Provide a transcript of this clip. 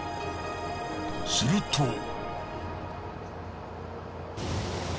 すると。